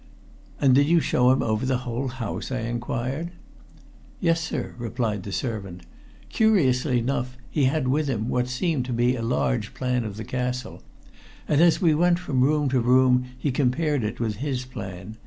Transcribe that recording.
"And did you show him over the whole house?" I inquired. "Yes, sir," responded the servant. "Curiously enough he had with him what seemed to be a large plan of the castle, and as we went from room to room he compared it with his plan.